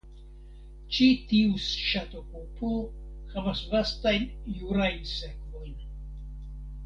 Ĉi tiu ŝatokupo havas vastajn jurajn sekvojn.